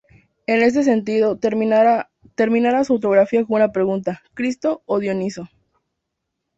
En este sentido, terminará su autobiografía con una pregunta: "¿Cristo o Dioniso?